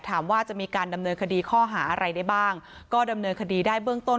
ถามว่าจะมีการดำเนินคดีข้อหาอะไรได้บ้างก็ดำเนินคดีได้เบื้องต้น